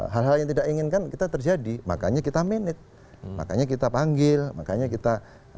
hal hal yang tidak inginkan kita terjadi makanya kita manage makanya kita panggil makanya kita